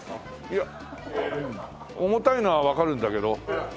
いや重たいのはわかるんだけど。